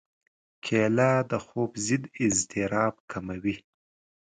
کېله د خوب ضد اضطراب کموي.